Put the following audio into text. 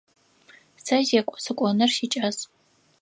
Сэ зекӏо сыкӏоныр сикӏас.